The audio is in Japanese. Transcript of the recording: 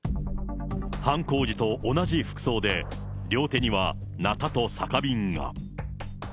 犯行時と同じ服装で、両手には、なたと酒瓶が。